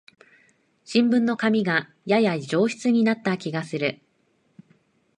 新聞の紙がやや上質になった気がする